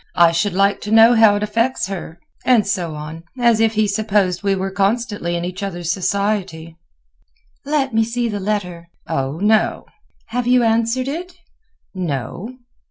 I should like to know how it affects her,' and so on, as if he supposed we were constantly in each other's society." "Let me see the letter." "Oh, no." "Have you answered it?" "No."